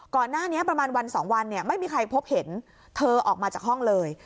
ก่อนหน้านี้ประมาณวันสองวันเนี่ยไม่มีใครพบเห็นเธอออกมาจากห้องเลย